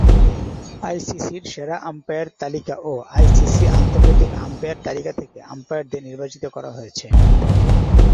আইসিসি’র সেরা আম্পায়ার তালিকা ও আইসিসি আন্তর্জাতিক আম্পায়ার তালিকা থেকে আম্পায়ারদের নির্বাচিত করা হয়েছে।